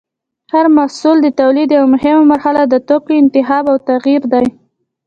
د هر محصول د تولید یوه مهمه مرحله د توکو انتخاب او تغیر دی.